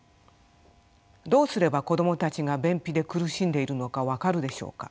どうすれば子どもたちが便秘で苦しんでいるのか分かるでしょうか。